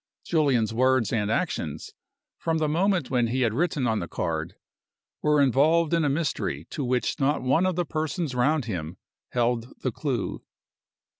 Julian's words and actions, from the moment when he had written on the card, were involved in a mystery to which not one of the persons round him held the clew.